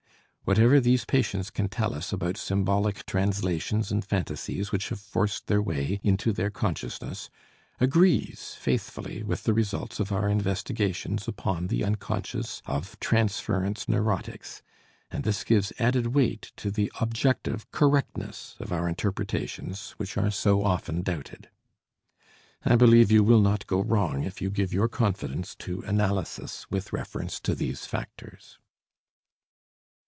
Whatever these patients can tell us about symbolic translations and phantasies which have forced their way into their consciousness agrees faithfully with the results of our investigations upon the unconscious of transference neurotics, and this gives added weight to the objective correctness of our interpretations which are so often doubted. I believe you will not go wrong if you give your confidence to analysis with reference to these factors.